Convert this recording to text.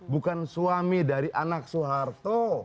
bukan suami dari anak soeharto